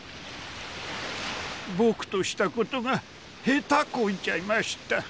僕としたことが下手こいちゃいました。